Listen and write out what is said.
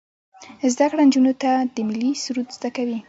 زده کړه نجونو ته د ملي سرود زده کوي.